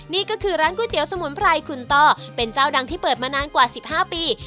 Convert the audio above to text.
นี่ก็คือร้านก๋วยเตี๋ยวสมุนไพรคุณต้อเป็นเจ้าดังที่เปิดมานานกว่า๑๕ปี